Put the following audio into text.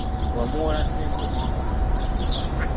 Wamuwola ssente mmeka?